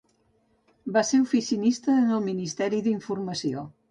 Va ser oficinista en el Ministeri d'Informació.